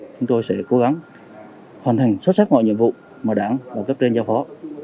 chúng tôi sẽ cố gắng hoàn thành xuất sắc mọi nhiệm vụ mà đảng đã cấp trên cho phó